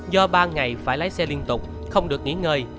do ba ngày phải lái xe liên tục không được nghỉ ngơi